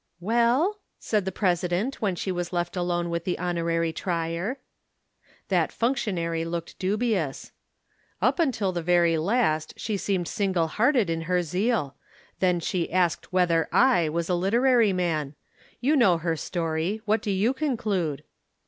"Well?" said the President when she was left alone with the Honorary Trier. That functionary looked dubious. "Up till the very last she seemed single hearted in her zeal. Then she asked whether I was a literary man. You know her story. What do you conclude?"